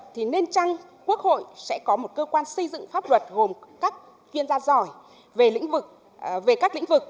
thì nên chăng quốc hội sẽ có một cơ quan xây dựng pháp luật gồm các chuyên gia giỏi về các lĩnh vực